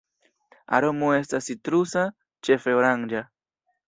Aromo estas citrusa, ĉefe oranĝa.